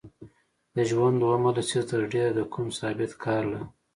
د ژوند دویمه لسیزه تر ډېره د کوم ثابت کار له